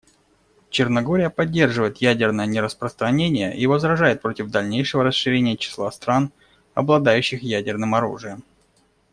Черногория поддерживает ядерное нераспространение и возражает против дальнейшего расширения числа стран, обладающих ядерным оружием.